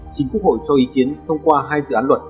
chính quốc hội cho ý kiến thông qua hai dự án luật